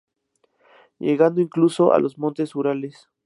Llegando incluso a los Montes Urales.